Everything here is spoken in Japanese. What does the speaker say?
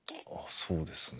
そうですね。